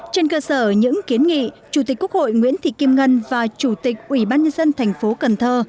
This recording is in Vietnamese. trên cơ sở những kiến nghị chủ tịch quốc hội nguyễn thị kim ngân và chủ tịch ubnd thành phố cần thơ